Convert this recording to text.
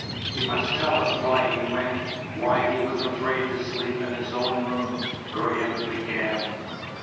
"He must tell us why he went, why he was afraid to sleep in his own room," Graham began.